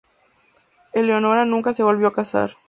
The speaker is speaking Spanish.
Eleonora nunca se volvió a casar.